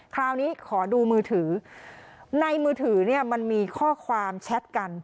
คราวนี้ขอดูมือถือในมือถือเนี่ยมันมีข้อความแชทกัน